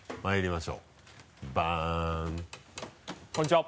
まいりましょうバン。